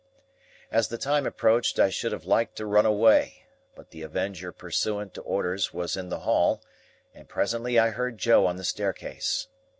As the time approached I should have liked to run away, but the Avenger pursuant to orders was in the hall, and presently I heard Joe on the staircase.